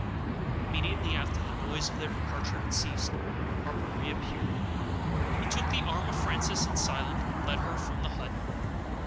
Immediately after the noise of their departure had ceased, Harper reappeared. He took the arm of Frances in silence, and led her from the hut.